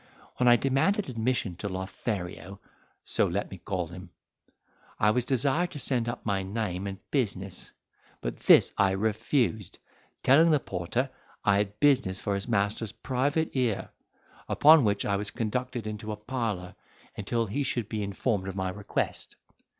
When I demanded admission to Lothario (so let me call him), I was desired to send up my name and business; but this I refused, telling the porter I had business for his master's private ear; upon which I was conducted into a parlour until he should be informed of my request.